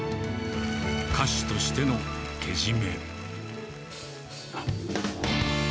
歌手としてのけじめ。